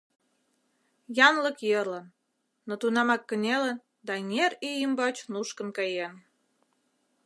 Янлык йӧрлын, но тунамак кынелын да эҥер ий ӱмбач нушкын каен.